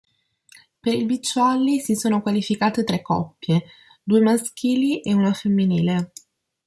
Per il beach volley si sono qualificate tre coppie, due maschili e una femminile.